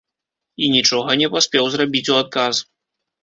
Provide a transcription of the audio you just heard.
І нічога не паспеў зрабіць у адказ.